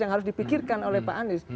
yang harus dipikirkan oleh pak anies